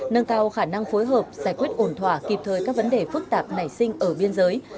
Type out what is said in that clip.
nâng cao khả năng phối hợp giải quyết ổn thỏa kịp thời các vấn đề phức tạp nảy sinh ở biên giới